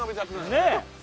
・ねえ！